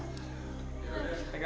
karena mereka menyimpan air ya kan